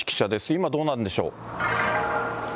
今どうなんでしょう。